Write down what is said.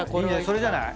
それじゃない？